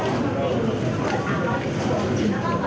และคุณค่ะคุณค่ะคุณค่ะคุณค่ะคุณค่ะ